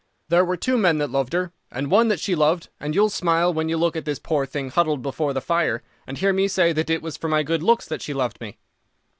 There were two men that loved her, and one that she loved, and you'll smile when you look at this poor thing huddled before the fire, and hear me say that it was for my good looks that she loved me.